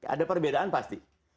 ada perbedaan pasti